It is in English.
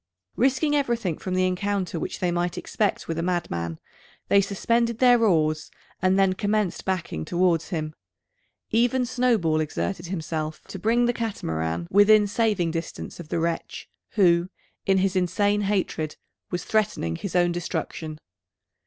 Risking everything from the encounter which they might expect with a madman, they suspended their oars, and then commenced backing towards him. Even Snowball exerted himself to bring the Catamaran within saving distance of the wretch who, in his insane hatred, was threatening his own destruction.